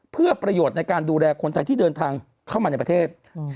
เพื่อประโยชน์ในการดูแลคนไทยที่เดินทางเข้ามาในประเทศ